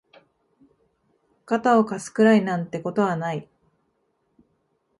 肩を貸すくらいなんてことはない